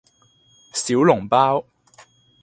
小籠包